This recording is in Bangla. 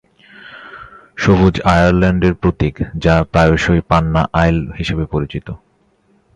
সবুজ আয়ারল্যান্ডের প্রতীক, যা প্রায়শই "পান্না আইল" হিসাবে পরিচিত।